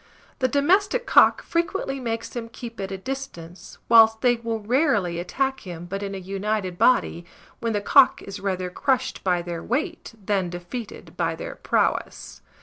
The domestic cock frequently makes them keep at a distance, whilst they will rarely attack him but in a united body, when the cock is rather crushed by their weight than defeated by their prowess.